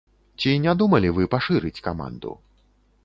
Ці не думалі вы пашырыць каманду?